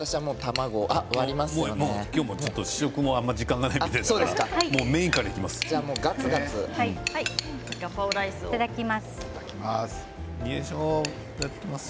今日は試食も時間がないみたいだからメインからいきます。